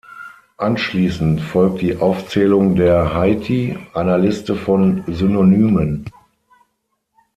Anschließend folgt die Aufzählung der Heiti, einer Liste von Synonymen.